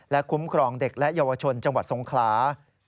คุ้มครองเด็กและเยาวชนจังหวัดสงขลา